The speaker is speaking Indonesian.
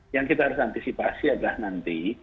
yang kita harus antisipasi adalah nanti